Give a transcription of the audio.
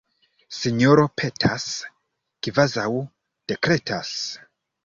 Sinjoro petas, kvazaŭ dekretas.